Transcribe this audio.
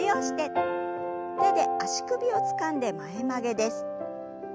手で足首をつかんで前曲げです。